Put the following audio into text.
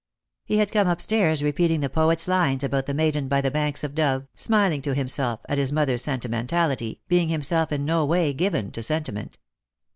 He had come up stairs repeating the poet's lines about the maiden by the banks of Dove, smiling to himself at his mother's oentimentality, being himself in no way given to sentiment.